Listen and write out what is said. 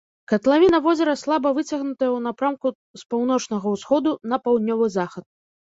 Катлавіна возера слаба выцягнутая ў напрамку з паўночнага ўсходу на паўднёвы захад.